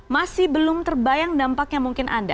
masih belum terbayang dampaknya mungkin anda